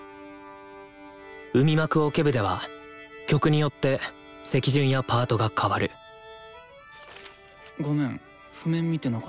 海幕オケ部では曲によって席順やパートが変わるごめん譜面見てなかった。